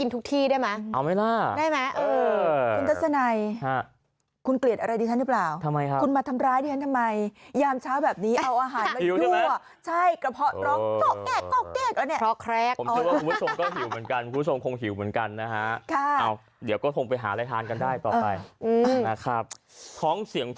ส่งเดชนไปทานทัศนายได้ไหมอะไรอย่างนี้นะไม่ได้